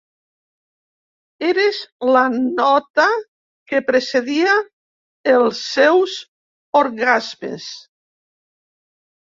Eres la nota que precedia els seus orgasmes.